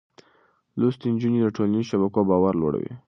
لوستې نجونې د ټولنيزو شبکو باور لوړوي.